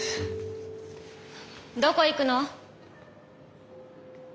どこ行くの？